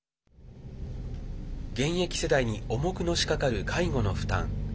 現役世代に重くのしかかる介護の負担。